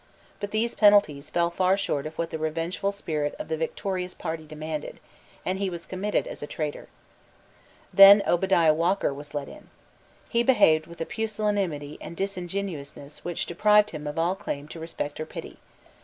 But these penalties fell far short of what the revengeful spirit of the victorious party demanded; and he was committed as a traitor, Then Obadiah Walker was led in. He behaved with a pusillanimity and disingenuousness which deprived him of all claim to respect or pity.